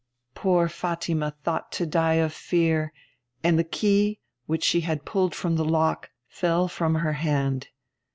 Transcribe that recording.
Poor Fatima thought to die of fear, and the key, which she had pulled from the lock, fell from her hand.